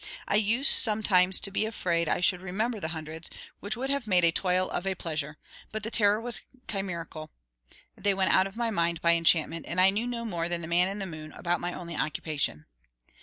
I used sometimes to be afraid I should remember the hundreds; which would have made a toil of a pleasure; but the terror was chimerical, they went out of my mind by enchantment, and I knew no more than the man in the moon about my only occupation.